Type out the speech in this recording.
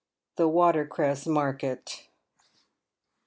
THE WATER CRESS MARKET. „.